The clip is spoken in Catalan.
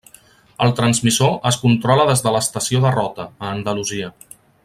El transmissor es controla des de l'estació de Rota, a Andalusia.